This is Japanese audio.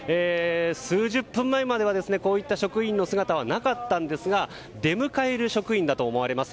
数十分前までは、こういった職員の姿はなかったんですが出迎える職員だと思われます。